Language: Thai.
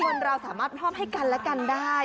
คนเราสามารถมอบให้กันและกันได้